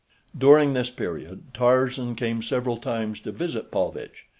During this period Tarzan came several times to visit Paulvitch.